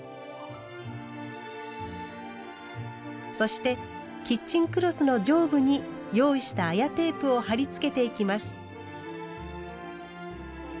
そしてキッチンクロスの上部に用意した綾テープを貼り付けていきます。